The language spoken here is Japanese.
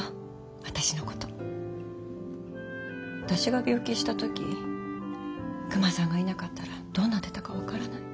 私が病気した時クマさんがいなかったらどうなってたか分からない。